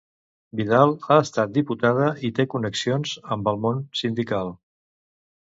Vidal ha estat diputada i té connexions amb el món sindical.